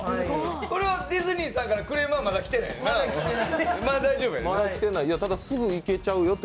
これはディズニーさんからクレームは来てないと。